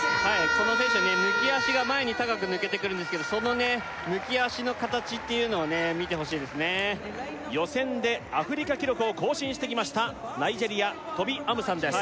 この選手は抜き脚が前に高く抜けてくるんですけどその抜き脚の形っていうのを見てほしいですね予選でアフリカ記録を更新してきましたナイジェリアトビ・アムサンです